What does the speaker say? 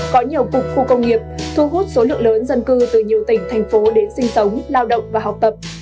có nhiều cục khu công nghiệp thu hút số lượng lớn dân cư từ nhiều tỉnh thành phố đến sinh sống lao động và học tập